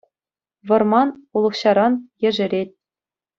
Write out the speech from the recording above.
Вӑрман, улӑх-ҫаран ешерет.